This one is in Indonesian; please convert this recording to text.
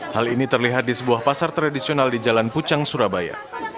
hal ini terlihat di sebuah pasar tradisional di jalan pucang surabaya